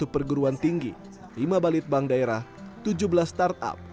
dua puluh satu perguruan tinggi lima balit bank daerah tujuh belas startup